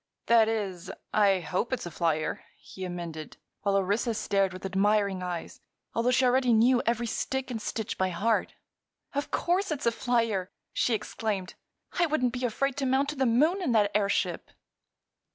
"That is, I hope it's a flyer," he amended, while Orissa stared with admiring eyes, although she already knew every stick and stitch by heart. "Of course it's a flyer!" she exclaimed. "I wouldn't be afraid to mount to the moon in that airship."